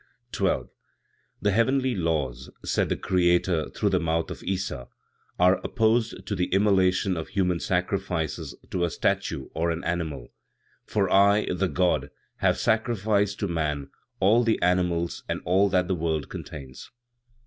12. "The heavenly laws," said the Creator, through the mouth of Issa, "are opposed to the immolation of human sacrifices to a statue or an animal; for I, the God, have sacrificed to man all the animals and all that the world contains.